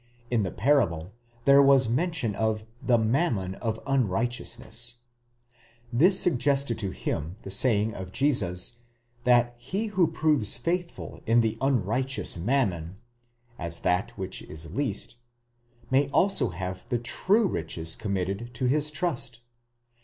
In the parable there was mention of the mammon of unrighteousness, papwvas τῆς ἀδικίας ; this suggested to him the saying of Jesus, that he who proves faithful in the ἀδίκῳ μαμωνᾷ, the unrighteous mammon, as that which is least, may also have the true riches committed to his trust.